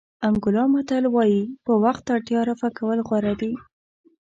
انګولا متل وایي په وخت اړتیا رفع کول غوره دي.